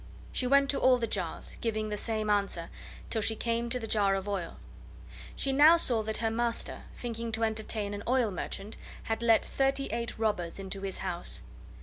She went to all the jars, giving the same answer, till she came to the jar of oil. She now saw that her master, thinking to entertain an oil merchant, had let thirty eight robbers into his house.